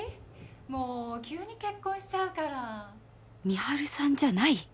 もう急に結婚しちゃうから美晴さんじゃない！？